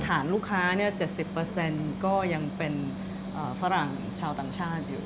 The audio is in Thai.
ฐานลูกค้าแปลง๗๐ก็ยังเป็นฟรั่งชาวต่างชาติ